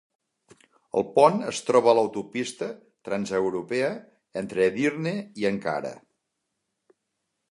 El pont es troba a l'autopista transeuropea entre Edirne i Ankara.